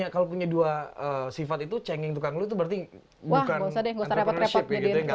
kalau punya dua sifat itu cengeng tukang lu itu berarti bukan entrepreneur